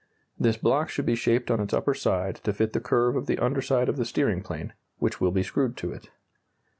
This block should be shaped on its upper side to fit the curve of the under side of the steering plane, which will be screwed to it.